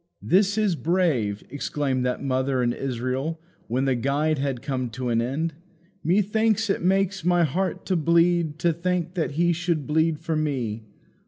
"This is brave!" exclaimed that mother in Israel, when the guide had come to an end. "Methinks it makes my heart to bleed to think that He should bleed for me.